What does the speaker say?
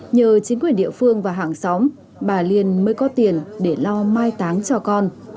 nhờ chính quyền địa phương và hàng xóm bà liên mới có tiền để lo mai táng cho con